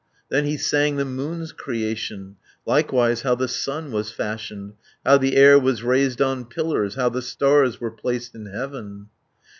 Then he sang the moon's creation, Likewise how the sun was fashioned, 550 How the air was raised on pillars, How the stars were placed in heaven.